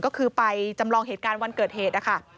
ก็คือไปจำลองเหตุการณ์วันเกิดเหตุนะคะ